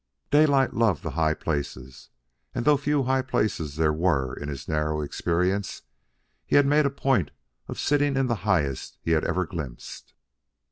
Daylight loved the high places, and though few high places there were in his narrow experience, he had made a point of sitting in the highest he had ever glimpsed.